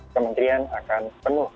kementrian akan penuh